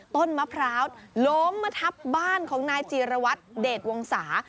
ต้นมะพร้าวล้มมาทับบ้านของนายจีรวัตรเดชวงศา